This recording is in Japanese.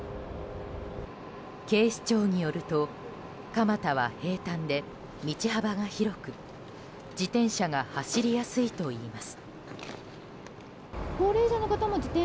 警視庁によると蒲田は平たんで道幅が広く自転車が走りやすいといいます。